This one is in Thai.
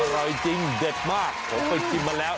อร่อยจริงเด็ดมากผมไปชิมมาแล้ว